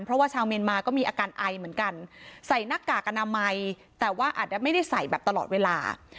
เพราะว่าชาวเมียนมาก็มีอาการไอเหมือนกันใส่หน้ากากอนามัยแต่ว่าอาจจะไม่ได้ใส่แบบตลอดเวลา